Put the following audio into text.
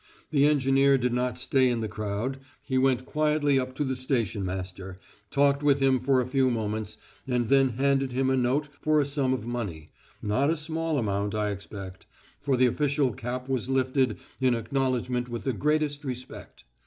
The engineer did not stay in the crowd, he went quietly up to the station master, talked with him for a few moments, and then handed him a note for a sum of money not a small amount, I expect, for the official cap was lifted in acknowledgment with the greatest respect.